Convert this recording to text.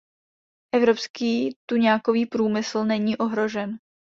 Evropský tuňákový průmysl není ohrožen.